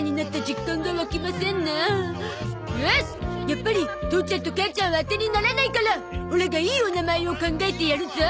やっぱり父ちゃんと母ちゃんは当てにならないからオラがいいお名前を考えてやるゾ。